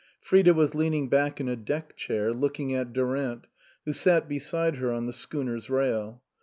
Frida was leaning back in a deck chair, look ing at Durant, who sat beside her on the schooner's rail.